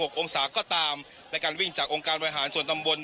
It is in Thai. กองศาก็ตามและการวิ่งจากองค์การบริหารส่วนตำบล